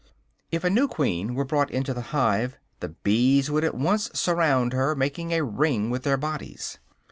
If a new queen were brought into the hive, the bees would at once surround her, making a ring with their bodies.